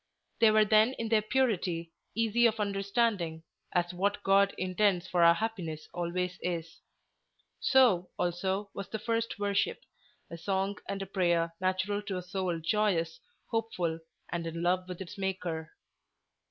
They were then in their purity, easy of understanding, as what God intends for our happiness always is; so, also, was the first worship—a song and a prayer natural to a soul joyous, hopeful, and in love with its Maker."